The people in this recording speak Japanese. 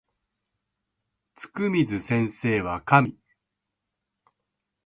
つくみず先生は神